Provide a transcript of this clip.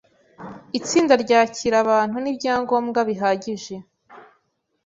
Itsinda ryakira abantu n’ibyangombwa bihagije